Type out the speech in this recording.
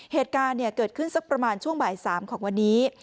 เหตุการณ์เกิดขึ้นสักประมาณช่วงบ่าย๓ของวันนี้